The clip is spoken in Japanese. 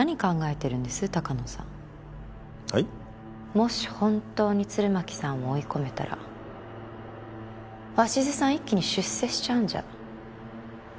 もし本当に鶴巻さんを追い込めたら鷲津さん一気に出世しちゃうんじゃ？